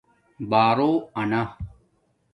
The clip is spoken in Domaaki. بݳرو انݳ